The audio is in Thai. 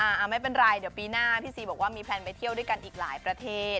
ไม่เป็นไรเดี๋ยวปีหน้าพี่ซีบอกว่ามีแพลนไปเที่ยวด้วยกันอีกหลายประเทศ